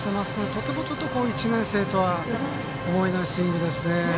とても、１年生とは思えないスイングですね。